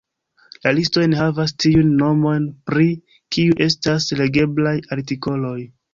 La listo enhavas tiujn nomojn, pri kiuj estas legeblaj artikoloj.